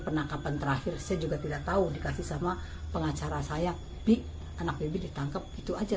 penangkapan terakhir saya juga tidak tahu dikasih sama pengacara saya bi anak bibi ditangkap itu aja